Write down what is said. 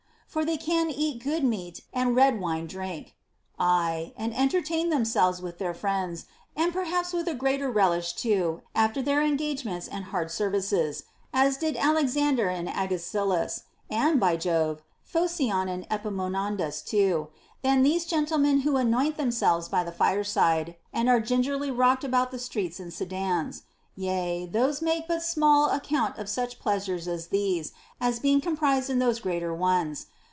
For they can eat good meat, and red wine drink,* aye, and entertain themselves with their friends, and per haps with a greater relish too, after their engagements and hard services, — as did Alexander and Agesilaus, and (by Jove) Phocion and Epaminondas too, — than these gentle men who anoint themselves by the fireside, and are gin gerly rocked about the streets in sedans. Yea, those make but small account of such pleasures as these, as being comprised in those greater ones.